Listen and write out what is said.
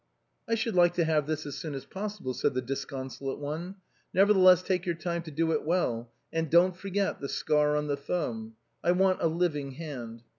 " I should like to have this as soon as possible," said the disconsolate one ;" nevertheless, take your time to do it well; and don't forget the scar on the thumb. I want a living hand."